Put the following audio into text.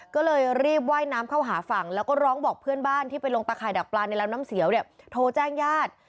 ก็เลยรีบว่ายน้ำเข้าหาฝั่งแล้วก็ร้องบอกเพื่อนบ้านที่ไปลงตะข่ายดักปลาในลำน้ำเสียวเนี่ยโทรแจ้งญาติ